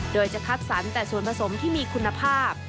โดยจะคัดสรรแต่ส่วนผสมที่มีคุณภาพ